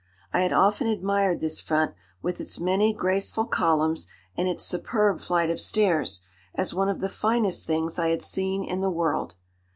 I had often admired this front, with its many graceful columns and its superb flight of stairs, as one of the finest things I had seen in the world.